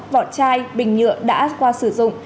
vỏ chai bình nhựa đã qua sử dụng